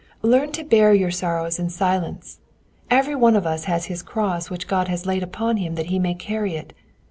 Learn to bear your sorrows in silence. Every one of us has his cross which God has laid upon him that he may carry it